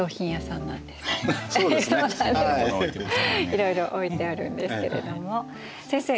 いろいろ置いてあるんですけれども先生